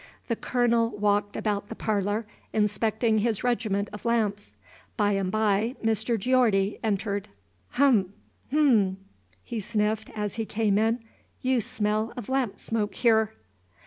The Colonel walked about the parlor, inspecting his regiment of lamps. By and by Mr. Geordie entered. "Mph! mph!" he sniffed, as he came in. "You smell of lamp smoke here."